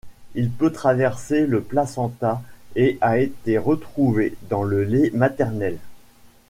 Il peut traverser le placenta et a été retrouvé dans le lait maternel.